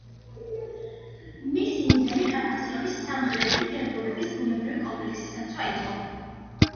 მისი მიზანი კავკასიონის სამხრეთი ფერდობების ბუნებრივი კომპლექსის დაცვა იყო.